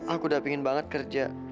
aku udah pengen banget kerja